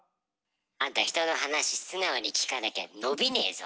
あんた人の話素直に聞かなきゃ伸びねえぞ。